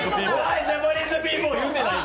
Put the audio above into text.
ジャパニーズピーポー言うてないで。